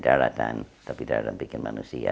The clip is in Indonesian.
harus dilakukan oleh manusia